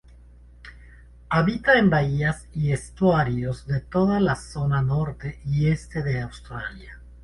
Habita en bahías y estuarios de toda la zona norte y este de Australia.